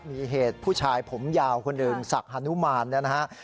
มีเหตุผู้ชายผมยาวคนหนึ่งศักดิฮานุมานเนี่ยนะฮะ